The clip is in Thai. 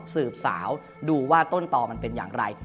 สืบสาวดูว่าต้นตอมันเป็นอย่างไร